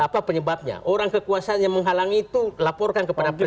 apa penyebabnya orang kekuasaan yang menghalangi itu laporkan kepada presiden